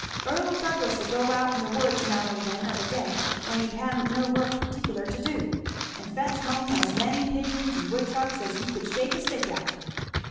"Earl Douglass'll go out in the woods now and then, of a day when he ha'n't no work particular to do, and fetch hum as many pigeons and woodchucks as you could shake a stick at."